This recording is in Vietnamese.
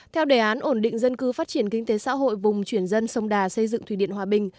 theo đề án ổn định dân cư phát triển kinh tế xã hội vùng chuyển dân sông đà xây dựng thủy điện hòa bình